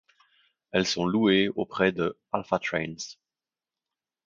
Elles sont louées auprès de Alpha Trains.